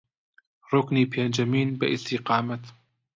ڕوکنی پێنجەمین بە ئیستیقامەت